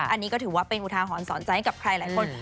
อันนี้ก็ถือว่าเป็นอุทาหรณ์สอนใจให้กับใครหลายคน